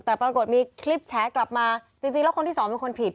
แต่ปรากฏมีคลิปแฉกลับมาจริงแล้วคนที่สองเป็นคนผิด